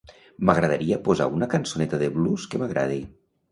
M'agradaria posar una cançoneta de blues que m'agradi.